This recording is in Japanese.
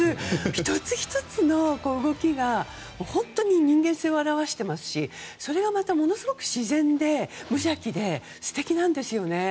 １つ１つの動きが本当に人間性を表していますしそれがまたものすごく自然で無邪気で素敵なんですよね。